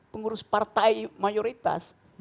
pengurus partai mayoritas